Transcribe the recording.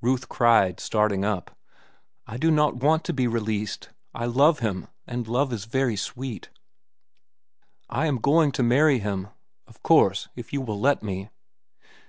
Ruth cried, starting up. "I do not want to be released. I love him, and love is very sweet. I am going to marry him—of course, if you will let me."